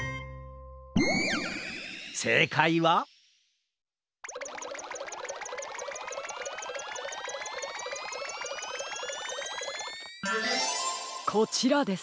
せいかいはこちらです。